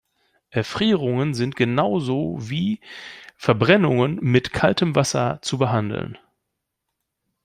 Erfrierungen sind genau so wie Verbrennungen mit kaltem Wasser zu behandeln.